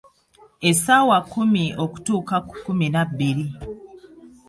Essaawa kkumi okutuuka kkumi na bbiri.